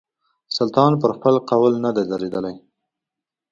سلطان پر خپل قول نه دی درېدلی.